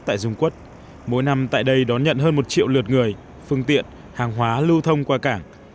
tại dùng quất mỗi năm tại đây đón nhận hơn một triệu lượt người phương tiện hàng hóa lưu thông qua cảng